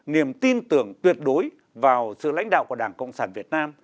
niềm tin tưởng tuyệt đối vào sự lãnh đạo của đảng cộng sản việt nam